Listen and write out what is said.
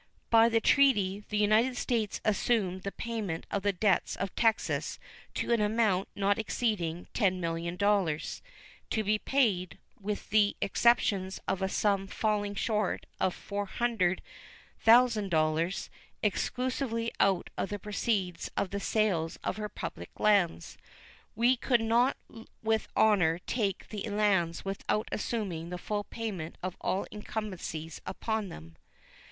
By the treaty the United States assumed the payment of the debts of Texas to an amount not exceeding $10,000,000, to be paid, with the exception of a sum falling short of $400,000, exclusively out of the proceeds of the sales of her public lands. We could not with honor take the lands without assuming the full payment of all incumbencies upon them.